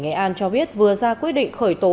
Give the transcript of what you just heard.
nghệ an cho biết vừa ra quyết định khởi tố